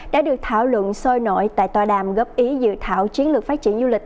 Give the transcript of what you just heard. đã được thảo luận sôi nổi tại tòa đàm góp ý dự thảo chiến lược phát triển du lịch